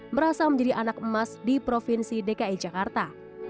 merasa menjadi anak emas di provinsi dki jakarta